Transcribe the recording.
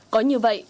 có như vậy